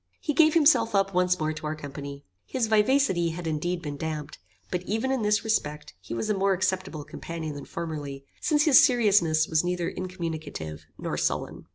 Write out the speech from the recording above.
He gave himself up once more to our company. His vivacity had indeed been damped; but even in this respect he was a more acceptable companion than formerly, since his seriousness was neither incommunicative nor sullen.